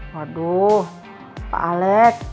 waduh pak alec